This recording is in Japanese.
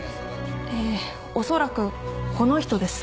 えー恐らくこの人です。